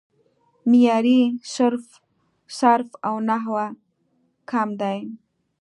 معیاري صرف او نحو کم دی